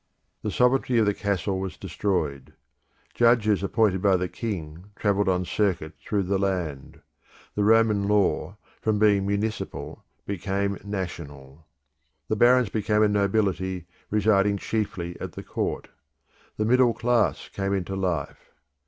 The sovereignty of the castle was destroyed. Judges appointed by the king travelled on circuit through the land; the Roman law, from being municipal became national; the barons became a nobility residing chiefly at the court; the middle class came into life.